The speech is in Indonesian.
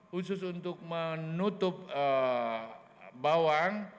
khusus untuk menutup bawang